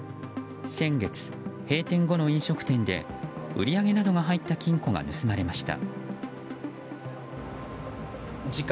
先月、閉店後の飲食店で売り上げなどが入った金庫が盗まれました。